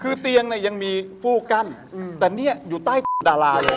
คือเตียงเนี่ยยังมีฟูกกั้นแต่เนี่ยอยู่ใต้ดาราเลย